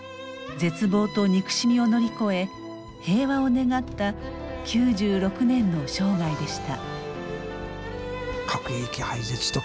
絶望と憎しみを乗り越え平和を願った９６年の生涯でした。